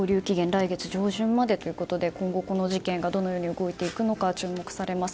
来月上旬までということで今後、この事件がどのように動くか注目されます。